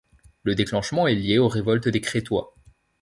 Le déclenchement est lié aux révoltes des Crétois.